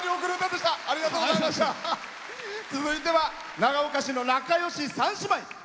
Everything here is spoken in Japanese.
続いては長岡市の仲よし三姉妹。